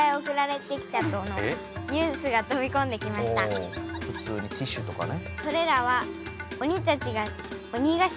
おおふつうにティッシュとかね。